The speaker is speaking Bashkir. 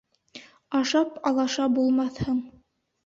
Ашап, алаша булмаҫһың.